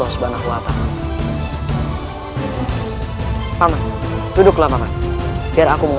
sepertinya tahun ini kami gagal panen